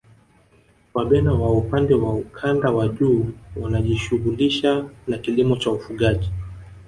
Wabena wa upande wa ukanda wa juu wanajishughulisha na kilimo na ufugaji